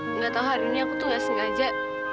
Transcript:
nggak tahu hari ini aku tuh gak sengaja